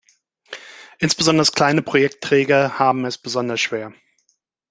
Insbesonders kleine Projektträger haben es besonders schwer.